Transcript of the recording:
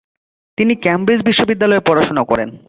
তিনি ক্যামব্রিজ বিশ্ববিদ্যালয়ে পড়াশোনা করেন।